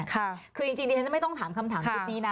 คือจริงดิฉันจะไม่ต้องถามคำถามชุดนี้นะ